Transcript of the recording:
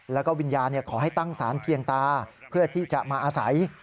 แล้วก็วิญญาณขอให้ตั้งสารเพียงตาเพื่อที่จะมาอาศัย